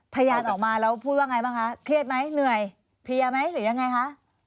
พยานออกมาแล้วพูดว่าไงบ้างคะเครียดไหมเหนื่อยเพลียไหมหรือยังไงคะ